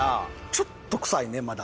ちょっと臭いねまだ。